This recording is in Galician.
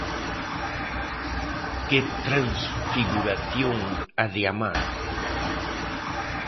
Que transfiguración a de amar!